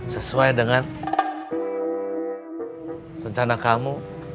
sesuai dengan rencana kamu